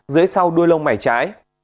dưới sau đuôi lông mải trái